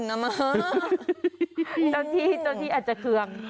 เจ้าที่อาจจะเคือง